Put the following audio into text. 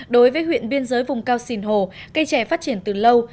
đối với huyện biên giới vùng cao sìn hồ cây trẻ phát triển từ lâu